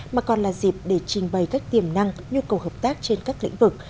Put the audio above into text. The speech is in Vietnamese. mà còn là dịp để trình bày các tiềm năng nhu cầu hợp tác trên các lĩnh vực